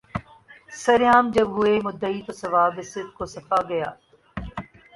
سر عام جب ہوئے مدعی تو ثواب صدق و صفا گیا